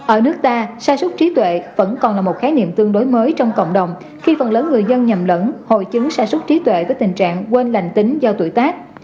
ở nước ta gia súc trí tuệ vẫn còn là một khái niệm tương đối mới trong cộng đồng khi phần lớn người dân nhầm lẫn hội chứng sản xuất trí tuệ với tình trạng quên lành tính do tuổi tác